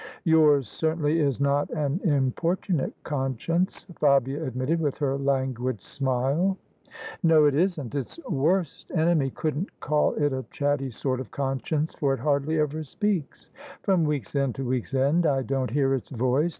"Yours certainly is not an importunate conscience," Fabia admitted, with her languid smile. " No, it isn't. Its worst enemy couldn't call it a chatty sort of conscience, for it hardly ever speaks. From week's end to week's end I don't hear its voice.